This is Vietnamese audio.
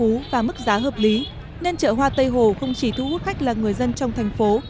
hoa tươi là mức giá hợp lý nên chợ hoa tây hồ không chỉ thu hút khách là người dân trong thành phố